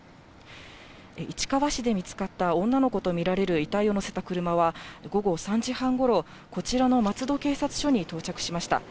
市川市で見つかった女の子と見られる遺体を乗せた車は、午後３時半ごろ、こちらの松戸警察署に到着しました。